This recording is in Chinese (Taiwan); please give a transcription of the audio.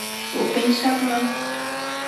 我悲傷嗎？